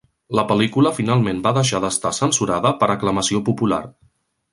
La pel·lícula finalment va deixar d'estar censurada per aclamació popular.